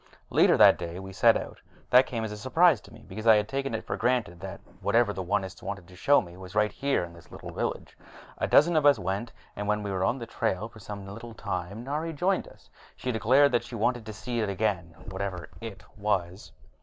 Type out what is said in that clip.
Later that day we set out. That came as a surprise to me, because I had taken it for granted that whatever the Onists wanted to show me was right here in this little village. A dozen of us went, and when we had been on the trail for some little time, Nari joined us, declaring that she wanted to see it again whatever it was.